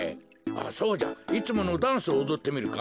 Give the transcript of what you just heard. そうじゃいつものダンスをおどってみるか。